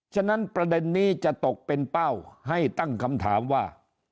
ฉะนั้นประเด็นนี้จะตกเป็นเป้าให้ตั้งคำถามว่า